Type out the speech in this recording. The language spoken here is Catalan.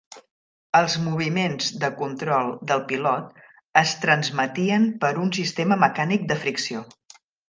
Els moviments de control del pilot es transmetien per un sistema mecànic de fricció.